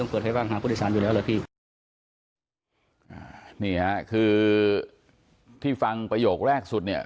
นี่ครับคือที่ฟังประโยคแรกสุดเนี่ย